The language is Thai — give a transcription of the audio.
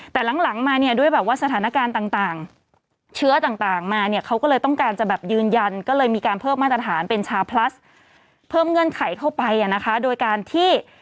แต่หลังมาเนี่ยด้วยแบบว่าสถานการณ์ต่างเชื้อต่างมาเนี่ยเขาก็เลยต้องการจะแบบยืนยันก็เลยมีการเพิ่มมาตรฐานเป็นชาพลัสเพิ่มเงื่อนไขเข้าไปอ่ะนะคะโดยการที่